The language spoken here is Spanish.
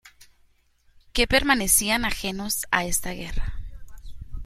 que permanecían ajenos a esta guerra